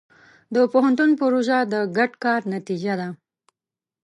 د پوهنتون پروژه د ګډ کار نتیجه ده.